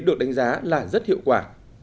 được đánh giá là rất hiệu quả